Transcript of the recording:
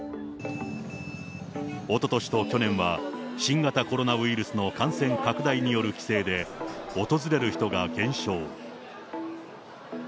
おととしと去年は新型コロナウイルスの感染拡大による規制で、訪れる人が減少。